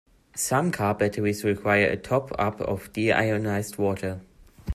Some Car batteries require a top-up of deionized water.